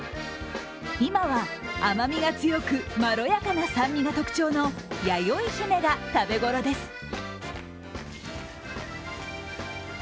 今は甘味が強くまろやかな酸味が特徴のやよいひめが食べ頃です。